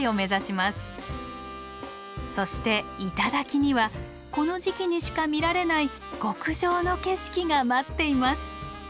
そして頂にはこの時期にしか見られない極上の景色が待っています。